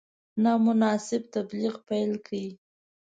نامناسب تبلیغ پیل کړي.